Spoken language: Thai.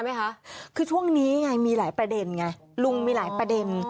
ไหมคะคือช่วงนี้ไงมีหลายประเด็นไงลุงมีหลายประเด็น